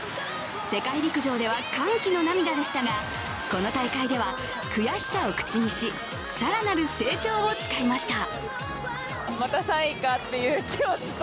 世界陸上では歓喜の涙でしたが、この大会では悔しさを口にし、更なる成長を誓いました。